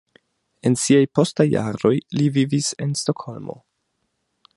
En siaj postaj jaroj li vivis en Stokholmo.